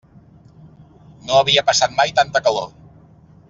No havia passat mai tanta calor.